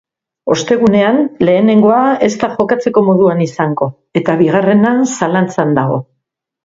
Ostegunean, lehenengoa ez da jokatzeko moduan izango, eta bigarrena zalantzan dago.